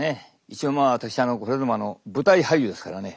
一応まあ私これでもあの舞台俳優ですからね。